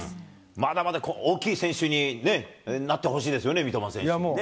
まだまだ、大きい選手になってほしいですよね、三笘選手にね。